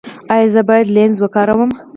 ایا زه باید لینز وکاروم؟